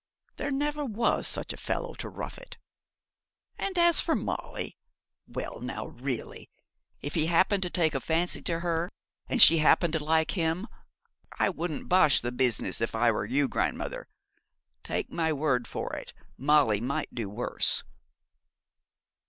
There never was such a fellow to rough it. And as for Molly, well, now, really, if he happened to take a fancy to her, and if she happened to like him, I wouldn't bosh the business, if I were you, grandmother. Take my word for it, Molly might do worse.'